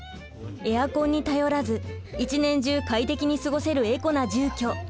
エアコンに頼らず一年中快適に過ごせるエコな住居。